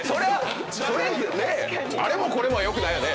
あれもこれもはよくないよね。